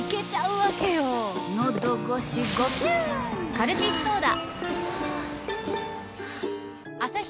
カルピスソーダ！